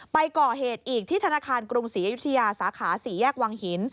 ไปก่อเหตุอีกที่ธนาคารกรุงศรีอยุธยาสาขา๔แยกวังหิน